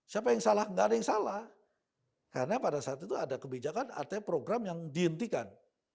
siapa yang salah nggak ada yang salah karena pada saat itu ada kebijakan artinya program yang dihentikan